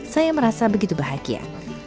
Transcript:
saya merasa begitu bahagia